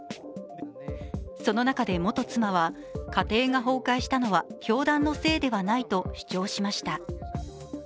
その中で元妻は家庭が崩壊したのは教団のせいではないと主張しました。